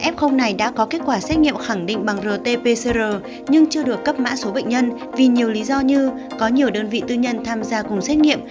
f này đã có kết quả xét nghiệm khẳng định bằng rt pcr nhưng chưa được cấp mã số bệnh nhân vì nhiều lý do như có nhiều đơn vị tư nhân tham gia cùng xét nghiệm